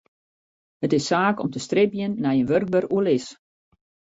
It is saak om te stribjen nei in wurkber oerlis.